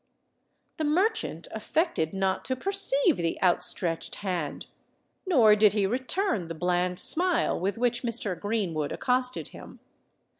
The merchant affected not to perceive the out stretched hand; nor did he return the bland smile with which Mr. Greenwood accosted him.